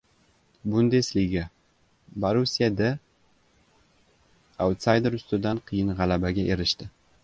Bundesliga. “Borussiya D” autsayder ustidan qiyin g‘alabaga erishdi